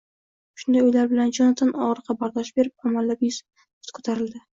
Shunday o‘ylar bilan Jonatan, og‘riqqa bardosh berib, amallab yuz fut ko‘tarildi.